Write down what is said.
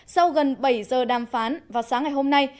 sau gần bảy giờ đàm phán vào sáng ngày hôm nay